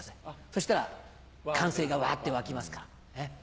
そしたら歓声がわって沸きますから。